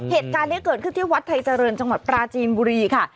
เหตุการณ์นี้เกิดขึ้นที่วัดไทยเจริญจังหวัดปราจีนบุรีค่ะ